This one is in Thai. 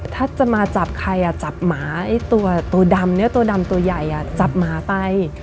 ถ้าจะมาจับใครจับหมาไอ้ตัวดำเนื้อตัวดำตัวใหญ่จับหมาไป